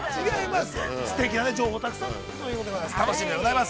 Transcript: ◆すてきな情報をたくさんということでございます。